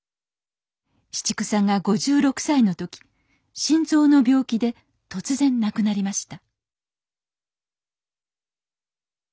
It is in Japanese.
紫竹さんが５６歳の時心臓の病気で突然亡くなりました